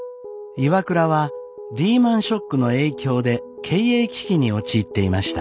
ＩＷＡＫＵＲＡはリーマンショックの影響で経営危機に陥っていました。